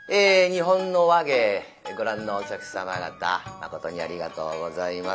「日本の話芸」ご覧のお客様方誠にありがとうございます。